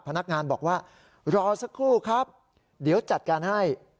พนักงานบอกว่ารอสักครู่ครับเดี๋ยวจัดการให้